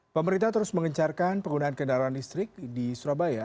pemerintah terus mengencarkan penggunaan kendaraan listrik di surabaya